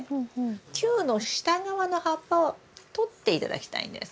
球の下側の葉っぱをとって頂きたいんです。